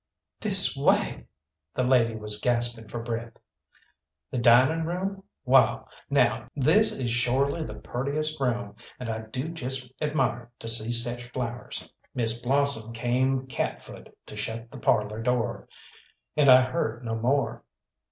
"This way!" the lady was gasping for breath. "The dining room? Wall, now, this is shorely the purtiest room, and I do just admire to see sech flowers!" Miss Blossom came cat foot to shut the parlour door, and I heard no more.